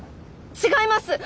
違います！